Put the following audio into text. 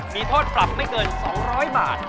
มีโทษปรับไม่เกิน๒๐๐บาท